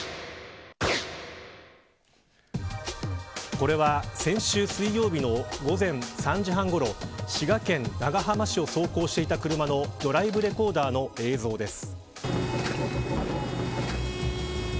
これは先週水曜日の午前３時半ごろ滋賀県長浜市を走行していた車のドライブレコーダーの映像です。